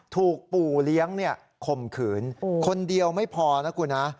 ถูกปู่เลี้ยงข่มขืนคนเดียวไม่พอนะคุณนะ